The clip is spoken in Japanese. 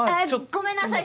ごめんなさい！